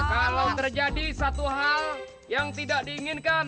kalau terjadi satu hal yang tidak diinginkan